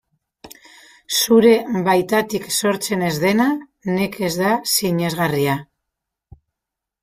Zure baitatik sortzen ez dena nekez da sinesgarria.